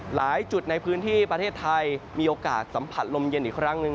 หลายจุดในพื้นที่ประเทศไทยมีโอกาสสัมผัสลมเย็นอีกครั้งหนึ่ง